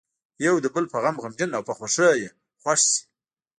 یو د بل په غم غمجن او په خوښۍ یې خوښ شي.